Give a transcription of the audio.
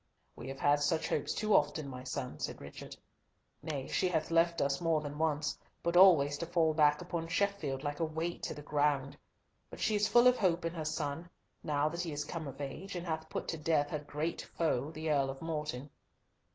"We have had such hopes too often, my son," said Richard. "Nay, she hath left us more than once, but always to fall back upon Sheffield like a weight to the ground. But she is full of hope in her son, now that he is come of age, and hath put to death her great foe, the Earl of Morton."